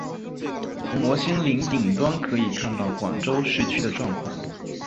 从摩星岭顶端可以看到广州市区的状况。